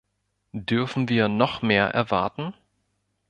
Dürfen wir noch mehr erwarten?